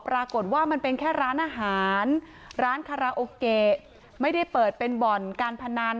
ปรากฏว่ามันเป็นแค่ร้านอาหารร้านคาราโอเกะไม่ได้เปิดเป็นบ่อนการพนัน